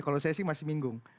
kalau saya sih masih bingung